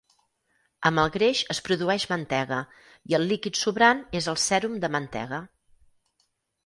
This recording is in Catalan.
Amb el greix es produeix mantega, i el líquid sobrant és el sèrum de mantega.